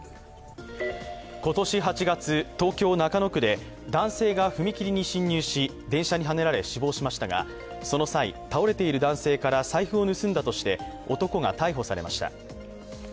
今年８月、東京・中野区で男性が踏切に進入し、電車にはねられ死亡しましたがその際、倒れている男性から財布を盗んだとして男が逮捕されました。